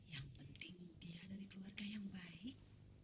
yang penting dia dari keluarga yang baik